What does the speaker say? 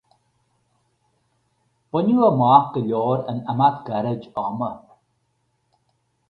Baineadh amach go leor in imeacht gairid ama.